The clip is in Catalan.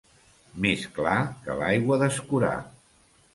Més clar que l'aigua d'escurar.